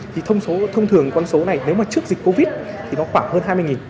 thì thông thường con số này nếu mà trước dịch covid thì nó khoảng hơn hai mươi